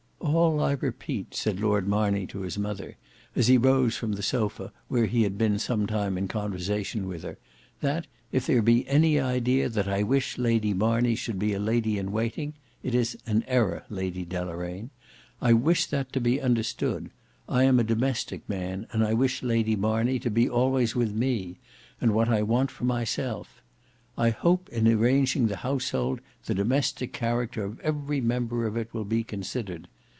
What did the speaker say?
"All I repeat," said Lord Marney to his mother, as he rose from the sofa where he had been some time in conversation with her, "that if there be any idea that I wish Lady Marney should be a lady in waiting, it is an error, Lady Deloraine. I wish that to be understood. I am a domestic man, and I wish Lady Marney to be always with me; and what I want I want for myself. I hope in arranging the household the domestic character of every member of it will be considered.